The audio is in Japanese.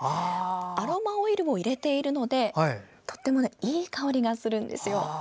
アロマオイルを入れているのでとてもいい香りがするんですよ。